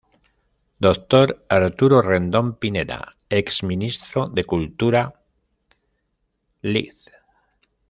Dr. Arturo Rendón Pineda ex ministro de Cultura, Lic.